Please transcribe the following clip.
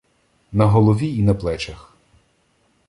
На голові і на плечах.